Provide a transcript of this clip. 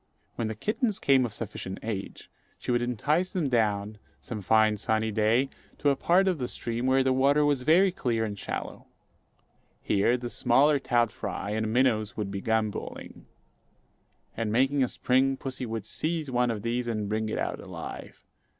When the kittens came of sufficient age, she would entice them down, some fine sunny day to a part of the stream, where the water was very clear and shallow. Here the smaller trout fry and minnows would be gambolling; and, making a spring, pussy would seize one of these and bring it out alive.